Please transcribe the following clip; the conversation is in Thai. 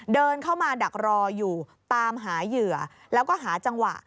เดินเข้ามาดักรออยู่ตามหาเหยื่อแล้วก็หาจังหวะ